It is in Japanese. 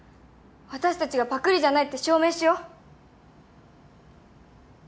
私たちがパクリじゃないって証明しよう。